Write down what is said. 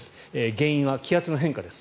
原因は気圧の変化です。